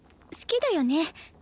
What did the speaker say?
好きだよね？